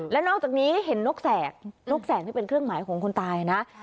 และนอกจากนี้เห็นนกแสกนกแสกที่เป็นเครื่องหมายของคนตายนะ